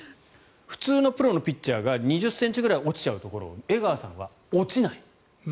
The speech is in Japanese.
普通のプロのピッチャーが２０ｃｍぐらい落ちちゃうところを江川さんは落ちない。